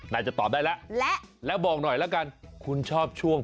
นายจะตอบได้แล้วและหน่อยละกันคุณชอบช่วง